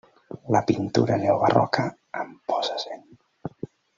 La pintura neobarroca em posa a cent.